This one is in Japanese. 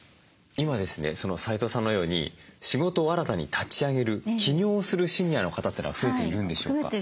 今ですね齋藤さんのように仕事を新たに立ち上げる起業するシニアの方ってのは増えているんでしょうか？